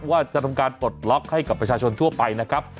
ว่าจะทำการปลดล็อกให้กับประชาชนทั่วไปนะครับ